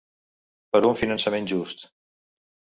Per un finançament just.